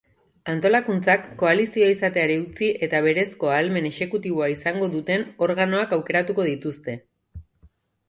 Antolakuntzak koalizio izateari utzi eta berezko ahalmen exekutiboa izango duten organoak aukeratuko dituzte.